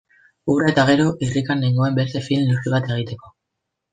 Hura eta gero irrikan nengoen beste film luze bat egiteko.